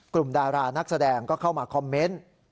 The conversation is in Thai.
ดารานักแสดงก็เข้ามาคอมเมนต์